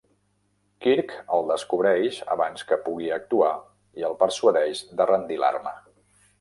Kirk el descobreix abans que pugui actuar i el persuadeix de rendir l'arma.